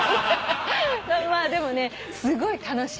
まあでもねすごい楽しい。